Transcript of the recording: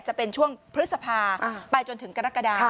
จะเป็นช่วงพฤษภาไปจนถึงกรกฎา